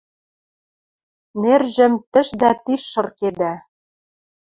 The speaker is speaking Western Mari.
Нержӹм тӹш дӓ тиш шыркедӓ